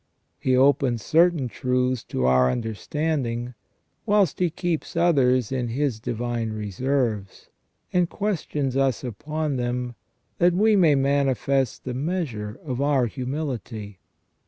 He opens certain truths to our understanding, whilst He keeps others in His divine reserves, and questions us upon them, that we may manifest the measure of our humility.